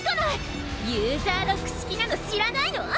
ユーザーロック式なの知らないの？